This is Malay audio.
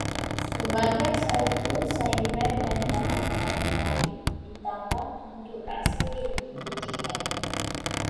Pelbagai sayur-sayuran dan bahan-bahan lain ditambah untuk rasa yang dipertingkatkan